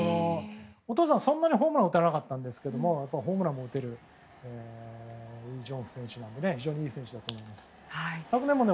お父さん、そんなにホームランは打たなかったんですけどホームランも打てるイ・ジョンフ選手なので非常にいい選手だと思います。